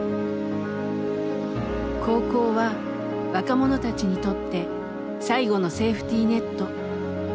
「高校は若者たちにとって最後のセーフティネット」。